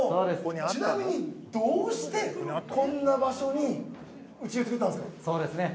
ちなみにどうして、こんな場所に内湯、作ったんですか？